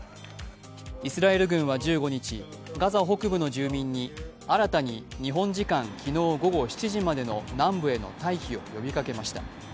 イスラエル軍は１５日、ガザ北部の住民に新たに日本時間昨日午後７時までの南部への退避を呼びかけました。